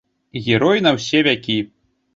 Герой на ўсе вякі!